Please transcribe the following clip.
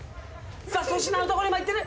さあ粗品のとこに今行ってる！